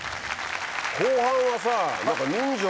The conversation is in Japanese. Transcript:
後半はさ。